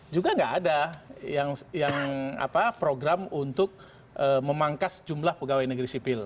juga nggak ada yang program untuk memangkas jumlah pegawai negeri sipil